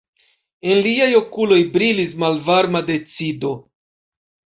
En liaj okuloj brilis malvarma decido.